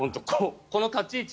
この立ち位置